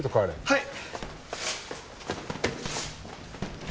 はい！